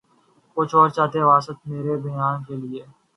کچھ اور چاہیے وسعت مرے بیاں کے لیے